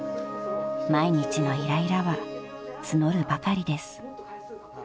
［毎日のイライラは募るばかりです］